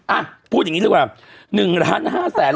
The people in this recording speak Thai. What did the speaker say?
อ่ะพูดอย่างนี้ด้วยก่อน